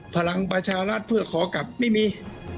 พลังประชารัฐเพื่อขอกลับไม่มี